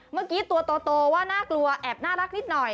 เมื่อกี้ตัวโตว่าน่ากลัวแอบน่ารักนิดหน่อย